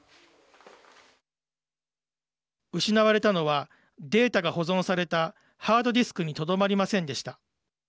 失われたのはデータが保存されたハードディスクにとどまりませんでした。